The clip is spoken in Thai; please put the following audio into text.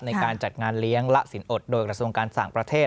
ในการจัดงานเลี้ยงและสินอดโดยกระทรวงการต่างประเทศ